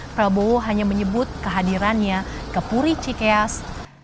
prabowo hanya menyebut kehadirannya ke puri cikeas